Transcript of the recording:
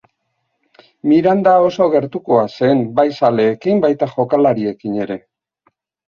Miranda oso gertukoa zen, bai zaleekin, baita jokalariekin ere.